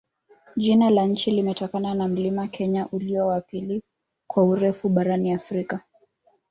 Jina la nchi limetokana na mlima Kenya, ulio wa pili kwa urefu barani Afrika.